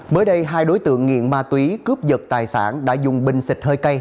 mới đây hai đối tượng nghiện ma túy cướp dật tài sản đã dùng bình xịt hơi cây